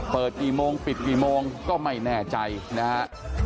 เปิดกี่โมงปิดกี่โมงก็ไม่แน่ใจนะฮะ